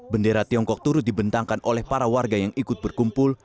bendera tiongkok turut dibentangkan oleh para warga yang ikut berkumpul